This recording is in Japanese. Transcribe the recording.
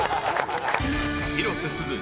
［広瀬すず。